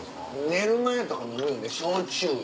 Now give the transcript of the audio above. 寝る前とか飲むよね焼酎。